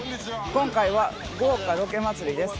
今回は豪華ロケ祭りです。